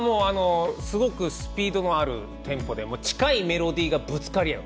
すごくスピードのあるテンポで近いメロディーがぶつかり合う。